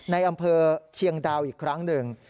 ในอำเภอเชียงดาวอีกครั้งหนึ่ง